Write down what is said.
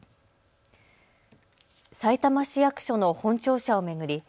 さいたま市役所の本庁舎を巡り